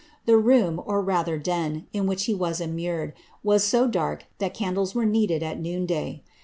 The room, or rather den, in which he was immured, was so dark that candles were needed at noon day.